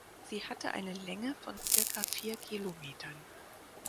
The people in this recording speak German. Sie hatte eine Länge von circa vier Kilometern.